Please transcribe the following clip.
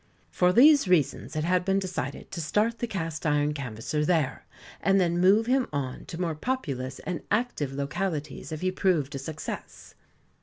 For these reasons it had been decided to start the Cast iron Canvasser there, and then move him on to more populous and active localities if he proved a success.